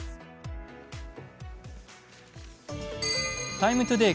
「ＴＩＭＥ，ＴＯＤＡＹ」